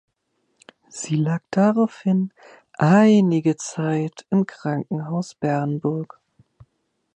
Sie lag daraufhin einige Zeit im Krankenhaus Bernburg.